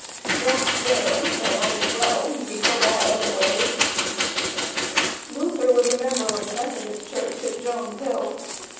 "Don't swear, though might as well; he was so bad other ways." Luther was a member of the Methodist church at Jones Hill.